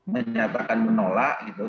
menyatakan menolak gitu